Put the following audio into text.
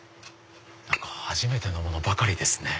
初めてのものばかりですね。